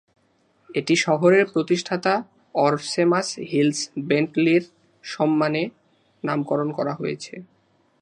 এটি শহরের প্রতিষ্ঠাতা অরসেমাস হিলস বেন্টলির সম্মানে নামকরণ করা হয়েছে।